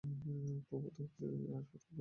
প্রভু তোমাকে চিরদিনের জন্য আশীর্বাদ করুন।